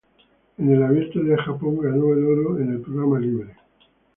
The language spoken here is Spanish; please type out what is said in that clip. En el Abierto de Japón ganó el oro en el programa libre.